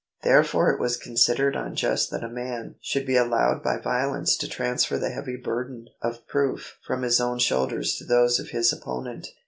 Therefore it was considered unjust that a man should be allowed by violence to transfer the heavy burden of proof from his own shoulders to those of his opponent.